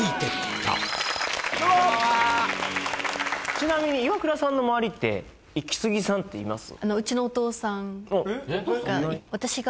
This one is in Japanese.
ちなみにイワクラさんの周りってイキスギさんっています？